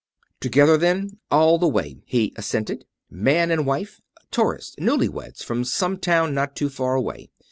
"Together, then, all the way," he assented. "Man and wife. Tourists newlyweds from some town not too far away.